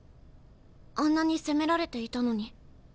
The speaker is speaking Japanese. あんなに攻められていたのに。